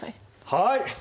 はい。